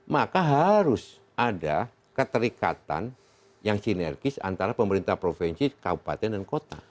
maka harus ada keterikatan yang sinergis antara pemerintah provinsi kabupaten dan kota